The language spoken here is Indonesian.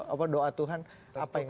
apa doa tuhan apa yang